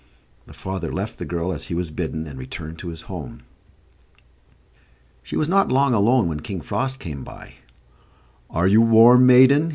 The father left the girl as he was bidden, and returned to his home. She was not long alone when King Frost came by. "Are you warm, maiden?"